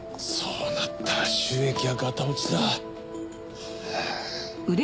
そうなったら収益はガタ落ちだ。